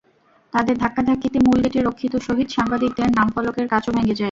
তাঁদের ধাক্কাধাক্কিতে মূল গেটে রক্ষিত শহীদ সাংবাদিকদের নামফলকের কাচও ভেঙে যায়।